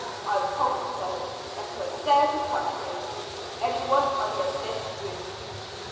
I told her so. Let her dare to touch me, or any one under this roof!"